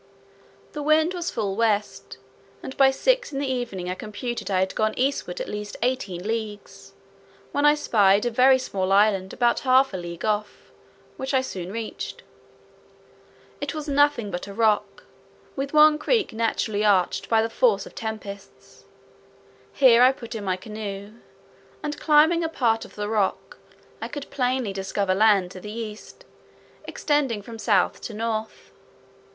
The wind was full west, and by six in the evening I computed I had gone eastward at least eighteen leagues; when I spied a very small island about half a league off, which I soon reached. It was nothing but a rock, with one creek naturally arched by the force of tempests. Here I put in my canoe, and climbing a part of the rock, I could plainly discover land to the east, extending from south to north.